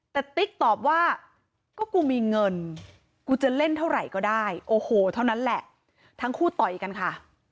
แต่ติ๊กตอบว่าก็กูมีเงินกูจะเล่นเท่าไหร่ก็ได้โอ้โหเท่านั้นแหละทั้งคู่ต่อยกันค่ะ